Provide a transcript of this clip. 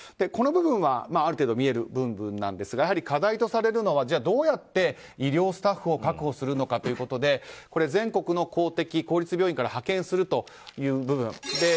この部分はある程度見える部分なんですがやはり課題とされるのはどうやって医療スタッフを確保するのかということで全国の公的公立病院から派遣するという部分。